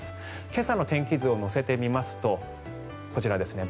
今朝の天気図を乗せてみますとこちらですね。